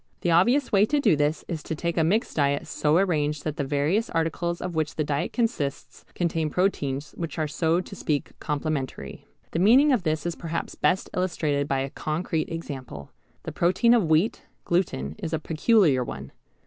The obvious way to do this is to take a mixed diet so arranged that the various articles of which the diet consists contain proteins which are so to speak complementary. The meaning of this is perhaps best illustrated by a concrete example. The protein of wheat, gluten, is a peculiar one.